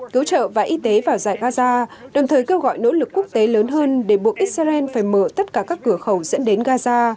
cứu trợ và y tế vào giải gaza đồng thời kêu gọi nỗ lực quốc tế lớn hơn để buộc israel phải mở tất cả các cửa khẩu dẫn đến gaza